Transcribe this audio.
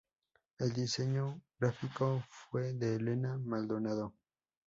El diseño gráfico fue de Elena Maldonado.